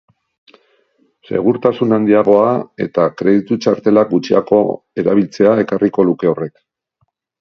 Segurtasun handiagoa eta kreditu txartelak gutxiago erabiltzea ekarriko luke horrek.